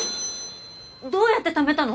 どうやってためたの？